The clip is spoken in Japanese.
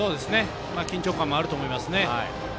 緊張感もあると思いますね。